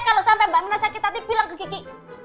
kalau sampai mbak mina sakit hati bilang ke gigi